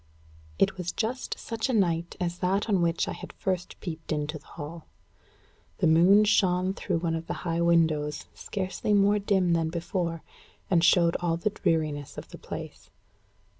It was just such a night as that on which I had first peeped into the hall. The moon shone through one of the high windows, scarcely more dim than before, and showed all the dreariness of the place.